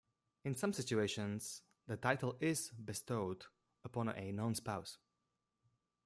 In some situations, the title is bestowed upon a non-spouse.